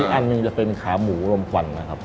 อีกอันมึงจะเป็นขาหมูลมพันนะครับ